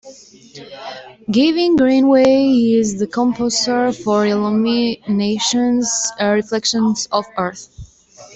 Gavin Greenaway is the composer for IllumiNations: Reflections of Earth.